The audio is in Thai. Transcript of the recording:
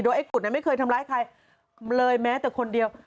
ไอ้กุดไม่เคยทำร้ายใครเลยแม้แต่คนเดียว